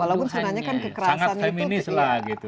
walaupun sebenarnya kekerasan itu